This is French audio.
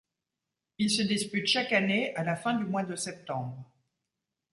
Il se dispute chaque année à la fin du mois de septembre.